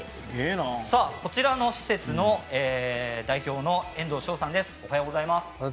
こちらの施設の代表の遠藤尚さんです。